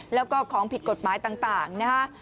แล้วก็ของผิดกฎไม้ต่าง